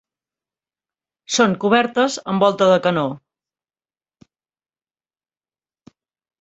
Són cobertes amb volta de canó.